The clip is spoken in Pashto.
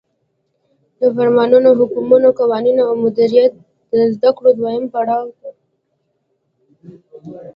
د فرمانونو، حکمونو، قوانینو او مدیریت د زدکړو دویم پړاو ته